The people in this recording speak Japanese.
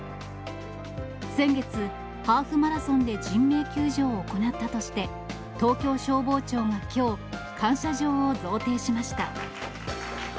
先月、ハーフマラソンで人命救助を行ったとして、東京消防庁がきょう、感謝状を贈呈しました。